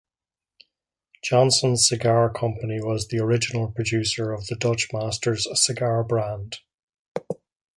Johnson Cigar Company was the original producer of the Dutch Masters cigar brand.